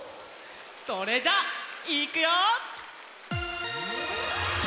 それじゃあいくよ！